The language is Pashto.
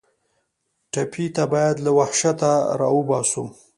ټپي ته باید له وحشته راوباسو.